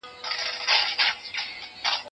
زه له خپلو ملګرو سره خبرونه شریکولم.